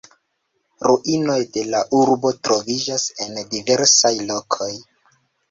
Ruinoj de la urbo troviĝas en diversaj lokoj.